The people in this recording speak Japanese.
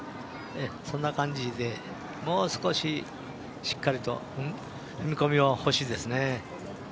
そんな感じで、もう少ししっかりと踏み込みが欲しいですね。